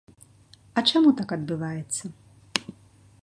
А чаму так адбываецца?